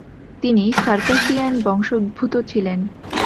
তিনি সার্কাসিয়ান বংশোদ্ভূত ছিলেন।